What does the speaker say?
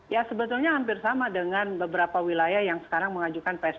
ya sebetulnya hampir sama dengan beberapa wilayah yang sekarang mengajukan psbb